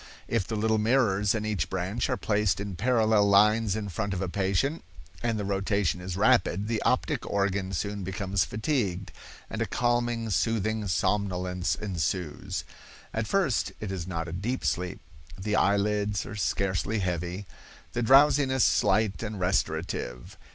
If the little mirrors in each branch are placed in parallel lines in front of a patient, and the rotation is rapid, the optic organ soon becomes fatigued, and a calming soothing somnolence ensues. At first it is not a deep sleep, the eye lids are scarcely heavy, the drowsiness slight and restorative.